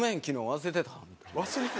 忘れてた？